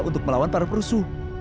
untuk melawan perusuh perusuh itu